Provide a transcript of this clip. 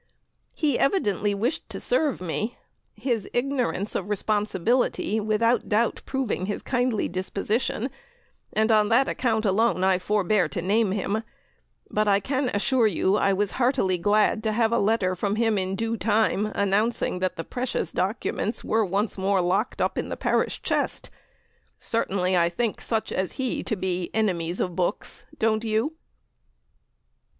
He evidently wished to serve me his ignorance of responsibility without doubt proving his kindly disposition, and on that account alone I forbear to name him; but I can assure you I was heartily glad to have a letter from him in due time announcing that the precious documents were once more locked up in the parish chest. Certainly, I think such as he to be 'Enemies of books.' Don't you?"